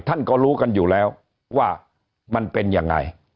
ท่านก็รู้กันอยู่แล้วว่ามันเป็นยังไง